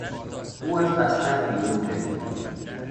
او از بستر بیرون جهید.